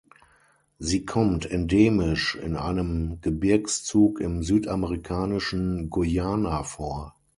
Sie kommt endemisch in einem Gebirgszug im südamerikanischen Guyana vor.